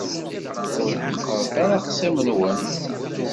Ur ḥeqqṛet ara axṣim-nwen.